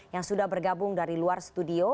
yang sudah bergabung dari luar studio